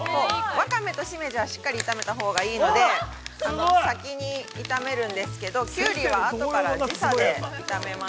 ◆ワカメとしめじは、しっかりと炒めたほうがいいので、先に炒めるんですけど、キュウリはあとから、時差で炒めます。